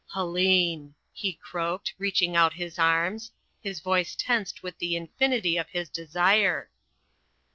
"Helene," he croaked, reaching out his arms his voice tensed with the infinity of his desire.